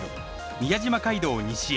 宮島街道を西へ。